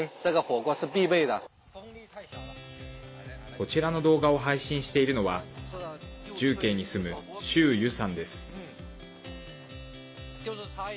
こちらの動画を配信しているのは重慶に住む周瑜さんです。